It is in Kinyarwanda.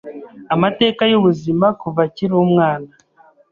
amateka y’ubuzima kuva akiri umwana